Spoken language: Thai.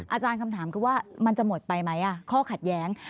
อาจารย์คำถามคือว่ามันจะหมดไปไหมข้อขัดแย้ง